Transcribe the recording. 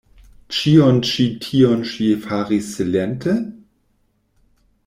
Ĉion ĉi tion ŝi faris silente.